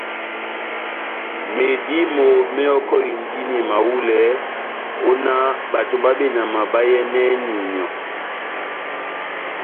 Medímo mehɔkɔhindini mahulɛ ó nah bato bá benama bayɛ́nɛni myɔ́.